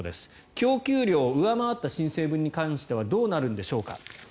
供給量を上回った申請分に関してはどうなるんでしょうか。